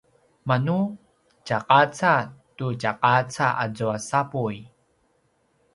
manu tjaqaca tu tjaqaca azua sapuy